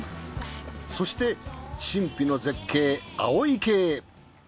そして神秘の絶景青池へ。